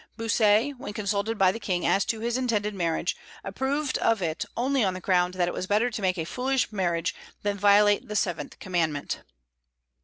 Bossuet, when consulted by the King as to his intended marriage, approved of it only on the ground that it was better to make a foolish marriage than violate the seventh commandment.